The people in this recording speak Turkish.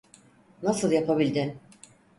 Nasıl yapabildin?